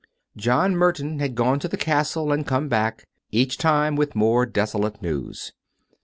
John Merton had gone to the castle and come back, each time with more desolate news.